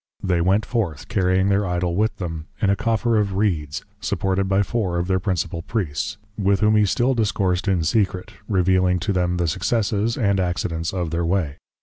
They went forth, carrying their Idol with them, in a Coffer of Reeds, supported by Four of their Principal Priests; with whom he still Discoursed in secret, Revealing to them the Successes, and Accidents of their way.